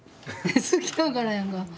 好きやからやんか。